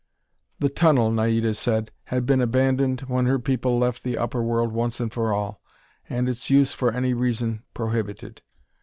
The tunnel, Naida said, had been abandoned when her people left the upper world once and for all, and its use for any reason prohibited.